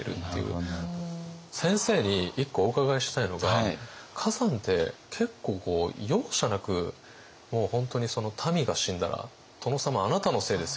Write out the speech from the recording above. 先生に１個お伺いしたいのが崋山って結構容赦なく本当に「民が死んだら殿様あなたのせいですよ」